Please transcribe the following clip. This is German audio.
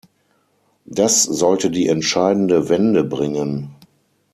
Das sollte die entscheidende Wende bringen.